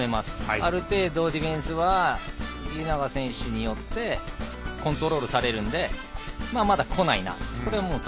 ある程度、ディフェンスは家長選手によってコントロールされているのでまだこないなと。